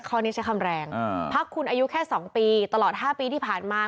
คอนี้ใช้คำแรงอ่าภาคคุณอายุแค่สองปีตลอดห้าปีที่ผ่านมา